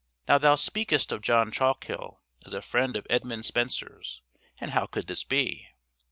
Now thou speakest of John Chalkhill as 'a friend of Edmund Spenser's,' and how could this be?